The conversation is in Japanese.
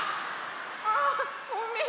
あごめん！